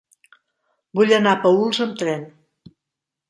Vull anar a Paüls amb tren.